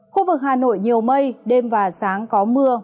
khu vực hà nội nhiều mây đêm và sáng có mưa